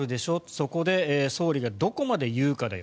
そこで総理がどこまで言うかだよ